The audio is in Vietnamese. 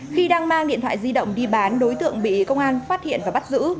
khi đang mang điện thoại di động đi bán đối tượng bị công an phát hiện và bắt giữ